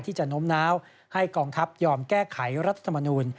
ที่จะโน้มน้าวให้กองทัพยอมแก้ไขรัฐธรรมนูล